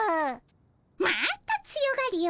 また強がりを。